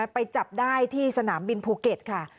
ไปจับได้ที่สนามบินภูเก็ตค่ะ